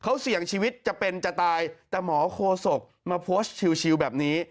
เขาเสี่ยงชีวิตจะเป็นจะตายแต่หมอโคศกมาโพสต์ชิวแบบนี้